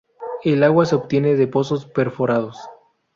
El agua se obtiene de pozos perforados.